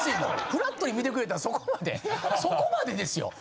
フラットに見てくれたらそこまでそこまでですよ。